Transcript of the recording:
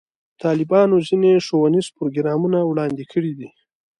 طالبانو ځینې ښوونیز پروګرامونه وړاندې کړي دي.